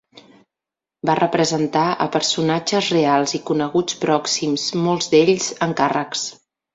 Va representar a personatges reals i coneguts pròxims, molts d'ells encàrrecs.